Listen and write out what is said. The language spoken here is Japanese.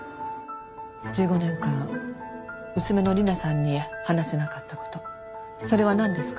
１５年間娘の理奈さんに話せなかった事それはなんですか？